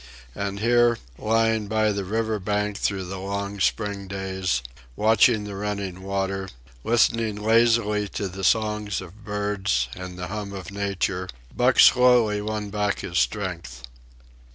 And here, lying by the river bank through the long spring days, watching the running water, listening lazily to the songs of birds and the hum of nature, Buck slowly won back his strength.